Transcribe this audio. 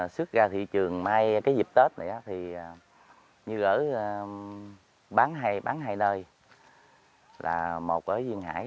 xuất ra thị trường mai cái dịp tết này thì như ở bán hai nơi là một ở duyên hải